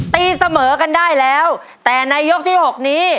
ตีเสมอกันได้แล้วแต่ในยกที่หกนี้